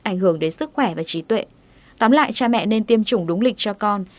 ảnh hưởng đến sức khỏe và trí tuệ tóm lại cha mẹ nên tiêm chủng đúng lịch cho con